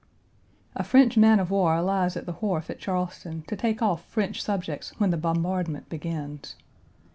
A French man of war lies at the wharf at Charleston to take off French subjects when the bombardment begins.